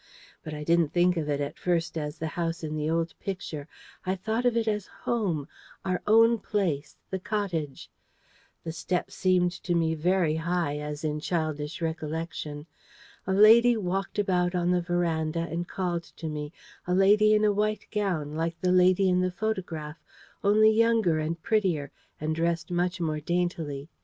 But I didn't think of it at first as the house in the old picture: I thought of it as home our own place the cottage. The steps seemed to me very high, as in childish recollection. A lady walked about on the verandah and called to me: a lady in a white gown, like the lady in the photograph, only younger and prettier, and dressed much more daintily.